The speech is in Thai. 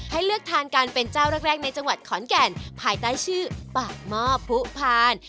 เลือกทานกันเป็นเจ้าแรกในจังหวัดขอนแก่นภายใต้ชื่อปากหม้อผู้พาน